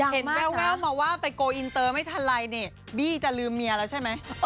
เห็นแอ๊วมาว่าไปเกาะอินเตอร์ไม่ทันไรเนี่ยบี้จะลืมเมียละใช่มั้ย